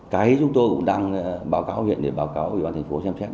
cái chúng tôi cũng đang báo cáo huyện để báo cáo ủy ban thành phố xem xét